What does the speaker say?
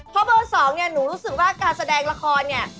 เพราะเบอร์๒เนี่ยหนูรู้สึกว่าการแสดงละครเนี่ย